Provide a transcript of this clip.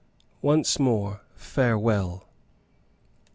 Once more farewell!